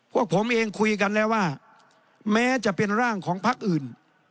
พวกผมเองคุยกันแล้วว่าแม้จะเป็นร่างของพักอื่น